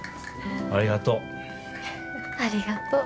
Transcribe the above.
ありがとう。